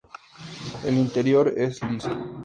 La el interior es lisa.